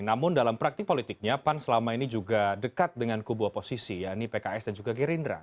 namun dalam praktik politiknya pan selama ini juga dekat dengan kubu oposisi yakni pks dan juga gerindra